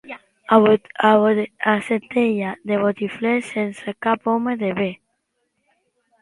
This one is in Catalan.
A Centelles, botiflers, sense cap home de bé.